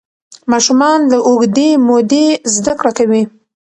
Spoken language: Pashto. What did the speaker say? ماشومان له اوږدې مودې زده کړه کوي.